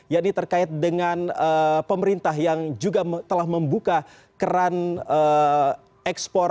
ya ini terkait dengan pemerintah yang juga telah membuka keran ekspor